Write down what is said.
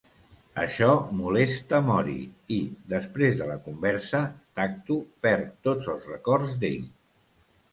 Això molesta Mori i, després de la conversa, Tacto perd tots els records d'ell.